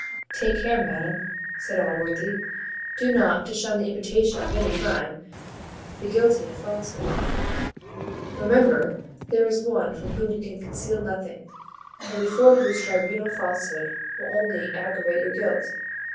"Take care, madam," said Allworthy, "do not, to shun the imputation of any crime, be guilty of falshood. Remember there is One from whom you can conceal nothing, and before whose tribunal falshood will only aggravate your guilt."